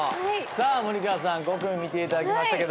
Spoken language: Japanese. さあ森川さん５組見ていただきましたけども。